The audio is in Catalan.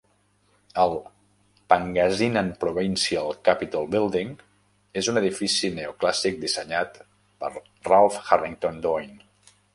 El "Pangasinan Provincial Capitol Building" és un edifici neoclàssic dissenyat per Ralph Harrington Doane.